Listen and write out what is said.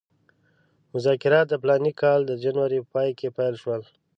مذاکرات د فلاني کال د جنورۍ په پای کې پیل شول.